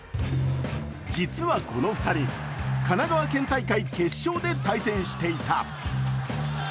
実はこの２人、神奈川県大会決勝で対戦していた。